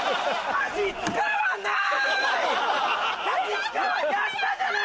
橋使わない！